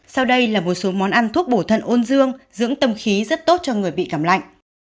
sau đây là một số món ăn thuốc bổ thận ôn dương dưỡng tâm khí rất tốt cho người bị cảm lạnh